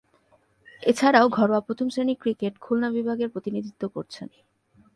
এছাড়াও, ঘরোয়া প্রথম-শ্রেণীর ক্রিকেটে খুলনা বিভাগের প্রতিনিধিত্ব করছেন।